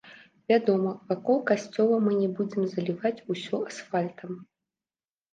Вядома, вакол касцёла мы не будзем заліваць усё асфальтам.